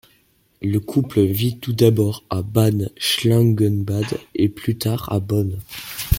Le couple vit tout d'abord à Bad Schlangenbad et plus tard à Bonn.